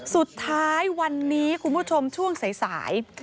สุดท้ายวันนี้คุณผู้ชมช่วงสาย